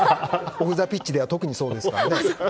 オフザピッチでは特にそうですね。